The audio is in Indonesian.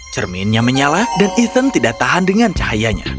cerminnya menyala dan eason tidak tahan dengan cahayanya